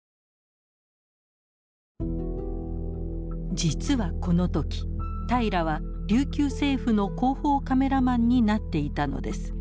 実はこの時平良は琉球政府の広報カメラマンになっていたのです。